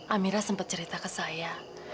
amira sempat cerita ke saya